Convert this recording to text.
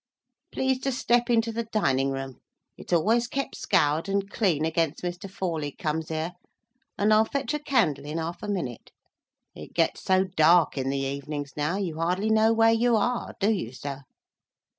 Please to step into the dining room—it's always kep scoured and clean against Mr. Forley comes here—and I'll fetch a candle in half a minute. It gets so dark in the evenings, now, you hardly know where you are, do you, sir?